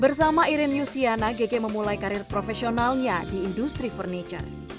bersama irin yusiana gg memulai karir profesionalnya di industri furniture